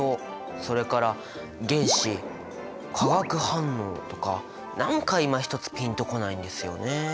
それから原子化学反応とか何かいまひとつピンと来ないんですよね。